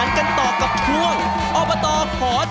นกเพนกวิ่นด้วยเหรอ